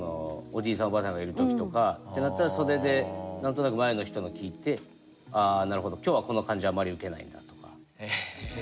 おばあさんがいる時とかってなったら袖で何となく前の人の聞いて「あなるほど。今日はこの感じあまりウケないんだ」とか。